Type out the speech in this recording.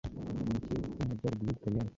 umujyi wo mu majyaruguru y'Ubutaliyani